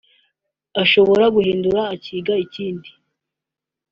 ashobora guhindura akiga ikindi